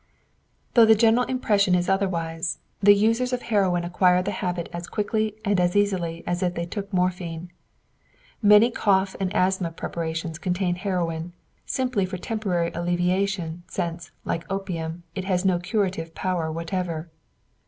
Though the general impression is otherwise, the users of heroin acquire the habit as quickly and as easily as if they took morphine. Many cough and asthma preparations contain heroin, simply for temporary alleviation, since, like opium, it has no curative power whatever.